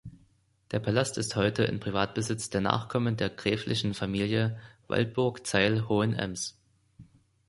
Der Palast ist heute in Privatbesitz der Nachkommen der gräflichen Familie Waldburg-Zeil-Hohenems.